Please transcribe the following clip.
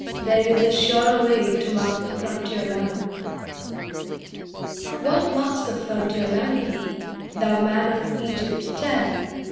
There is a surer way To mark the frontier line.' What marks the frontier line? Thou man of Egypt, tell!